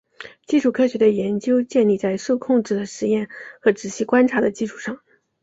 基础科学的研究建立在受控制的实验和仔细观察的基础上。